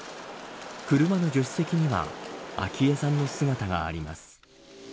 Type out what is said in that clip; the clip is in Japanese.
車の助手席には昭恵さんの姿があります。